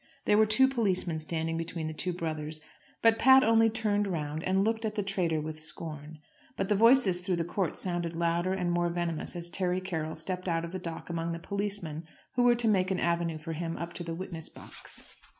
There were two policemen standing between the two brothers, but Pat only turned round and looked at the traitor with scorn. But the voices through the court sounded louder and more venomous as Terry Carroll stepped out of the dock among the policemen who were to make an avenue for him up to the witness box.